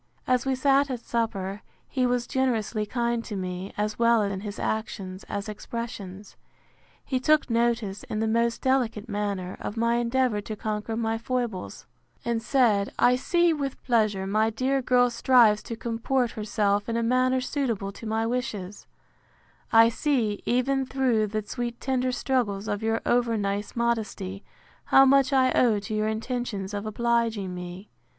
As we sat at supper, he was generously kind to me, as well in his actions, as expressions. He took notice, in the most delicate manner, of my endeavour to conquer my foibles; and said, I see, with pleasure, my dear girl strives to comport herself in a manner suitable to my wishes: I see, even through the sweet tender struggles of your over nice modesty, how much I owe to your intentions of obliging me.